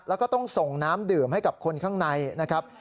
แล้วก็ต้องส่งน้ำดื่มให้กับคนข้างในนะครับ